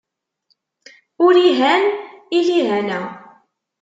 Ur ihan i lihana.